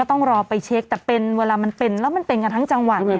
ต้องรอไปเช็คแต่เป็นเวลามันเป็นแล้วมันเป็นกันทั้งจังหวัด